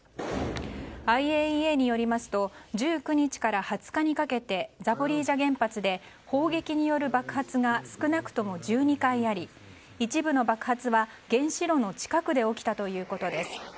ＩＡＥＡによりますと１９日から２０日かけてザポリージャ原発で砲撃による爆発が少なくとも１２回あり一部の爆発は原子炉の近くで起きたということです。